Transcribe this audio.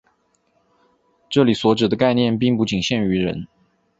这里所指的概念并不仅限于人。